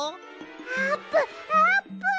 あーぷんあーぷん！